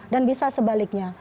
dan bisa sebaliknya